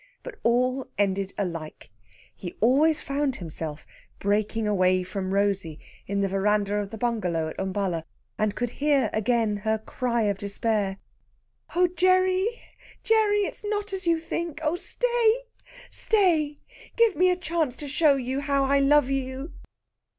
But all ended alike. He always found himself breaking away from Rosey in the veranda in the bungalow at Umballa, and could hear again her cry of despair: "Oh, Gerry, Gerry! It is not as you think. Oh, stay, stay! Give me a chance to show you how I love you!"